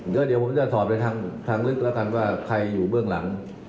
เดี๋ยวผมจะถอดไปทางลึกแล้วกันว่าใครอยู่เบื้องหลัง